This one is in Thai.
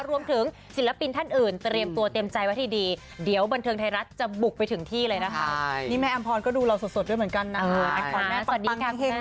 รวมถึงศิลปินท่านอื่นเตรียมตัวเตรียมใจว่าที่ดี